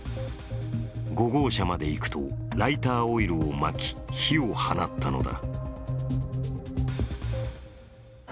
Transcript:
５号車まで行くとライターオイルをまき火を放ったのだ。